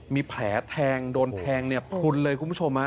มีแผลแทงโดนแทงพุนเลยคุณผู้ชม